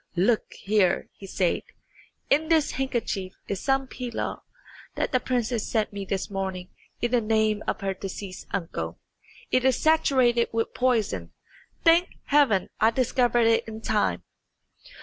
"Look here," he said, "in this handkerchief is some pilaw that the princess sent me this morning in the name of her deceased uncle. It is saturated with poison. Thank Heaven, I discovered it in time!"